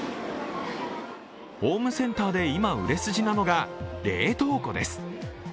ホームセンターで今、売れ筋なのが冷凍庫です。